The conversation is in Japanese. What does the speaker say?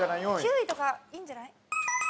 ９位とかいいんじゃない？